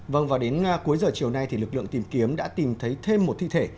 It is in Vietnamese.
vâng và đến cuối giờ chiều nay thì lực lượng tìm kiếm đã tìm thấy thêm một thi thể